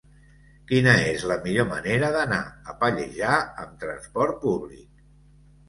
Quina és la millor manera d'anar a Pallejà amb trasport públic?